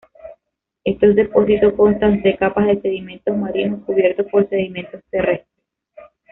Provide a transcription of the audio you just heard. Estos depósitos constan de capas de sedimentos marinos cubiertos por sedimentos terrestres.